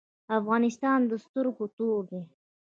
افغانستان د سترګو تور دی؟